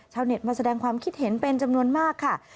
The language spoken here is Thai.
เน็ตมาแสดงความคิดเห็นเป็นจำนวนมากค่ะ